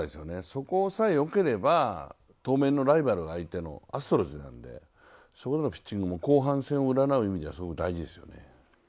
そこさえよければ、当面のライバル相手、アストロズなんで、投球も後半戦を占う意味ではすごく大事ですよね。